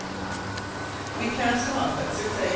We cast off at 6 a.